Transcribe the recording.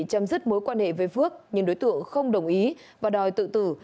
chấm dứt mối quan hệ với phước nhưng đối tượng không đồng ý và đòi tự tử